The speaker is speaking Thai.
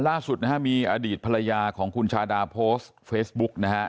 ล่าสุดนะฮะมีอดีตภรรยาของคุณชาดาโพสต์เฟซบุ๊กนะฮะ